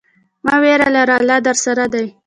مه ویره لره، الله درسره دی.